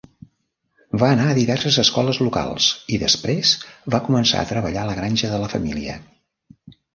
Va anar a diverses escoles locals i, després, va començar a treballar a la granja de la família.